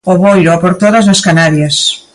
O Boiro, a por todas nas Canarias.